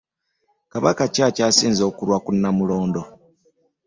Kabaka ki akyasinze okulwa ku Nnamulondo?